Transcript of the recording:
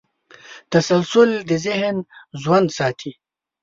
تسلسل د ذهن ژوند ساتي.